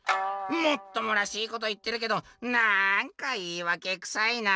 「もっともらしいこと言ってるけどなんか言いわけくさいな」。